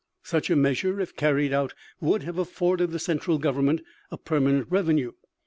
Such a measure, if carried out, would have afforded the central government a permanent revenue.